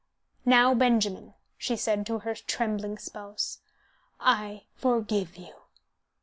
"Now, Benjamin," she said to her trembling spouse, "I forgive you.